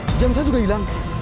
cincinnya juga hilang